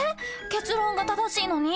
結論が正しいのに？